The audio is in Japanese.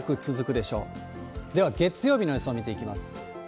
では、月曜日の予想見ていきます。